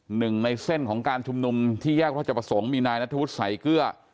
หนึ่งในเส้นของการชุมนุมที่แยกราชประสงค์มีนายนัทธวุฒิสายเกลือ